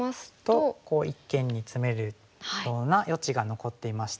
一間にツメるような余地が残っていまして。